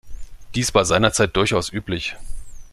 Dies war seinerzeit durchaus üblich.